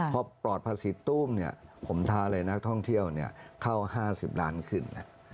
พอปลอดภาษีตู้มผมท้าเลยนักท่องเที่ยวเข้า๕๐ล้านขึ้น